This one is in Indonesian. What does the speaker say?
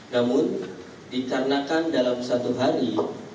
namun dikarenakan dalam satu hari